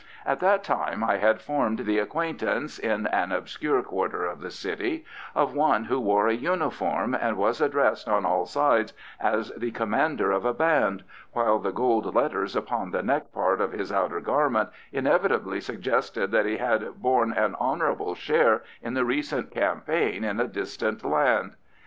At that time I had formed the acquaintance, in an obscure quarter of the city, of one who wore a uniform, and was addressed on all sides as the commander of a band, while the gold letters upon the neck part of his outer garment inevitably suggested that he had borne an honourable share in the recent campaign in a distant land.